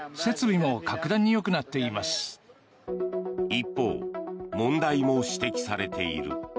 一方、問題も指摘されている。